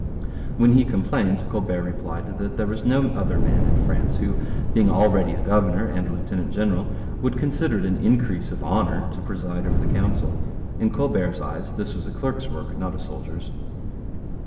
When he complained, Colbert replied that there was no other man in France who, being already a governor and lieutenant general, would consider it an increase of honour to preside over the Council. In Colbert's eyes this was a clerk's work, not a soldier's.